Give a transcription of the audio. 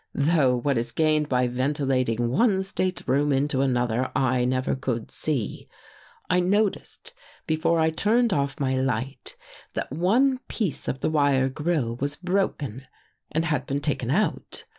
Though what is gained by ventilating one stateroom into another, I never could see. I noticed before I turned off my light, that one piece of the wire grille was broken and had been taken out.